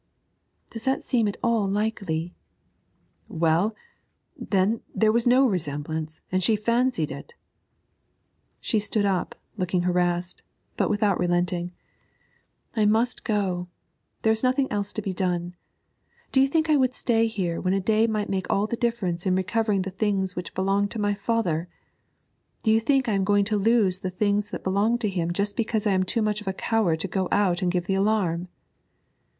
'Does that seem at all likely?' 'Well, then, there was no resemblance, and she fancied it.' She stood up, looking harassed, but without relenting. 'I must go there is nothing else to be done. Do you think I would stay here when a day might make all the difference in recovering the things which belonged to my father? Do you think that I am going to lose the things that belonged to him just because I am too much of a coward to go out and give the alarm?'